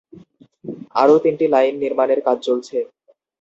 আরও তিনটি লাইন নির্মাণের কাজ চলছে।